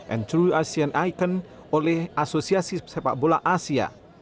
and true asian icon oleh asosiasi sepak bola asia